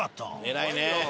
偉いね。